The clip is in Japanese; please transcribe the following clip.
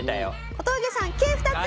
小峠さんＫ２つ！